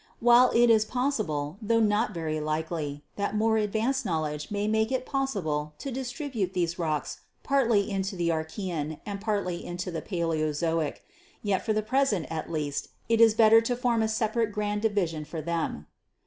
While it is possible, tho not very likely, that more advanced knowledge may make it possible to distribute these rocks partly into the Archaean and partly into the Paleozoic, yet for the present, at least, it is better to form a separate grand division for them.